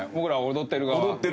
踊ってる側。